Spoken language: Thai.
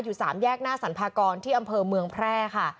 สามแยกหน้าสรรพากรที่อำเภอเมืองแพร่ค่ะ